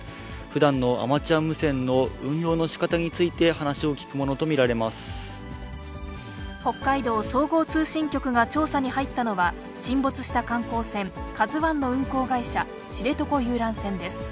ふだんのアマチュア無線の運用のしかたについて話を聞くものと見北海道総合通信局が調査に入ったのは、沈没した観光船、ＫＡＺＵＩの運航会社、知床遊覧船です。